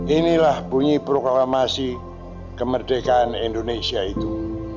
inilah bunyi proklamasi kemerdekaan indonesia itu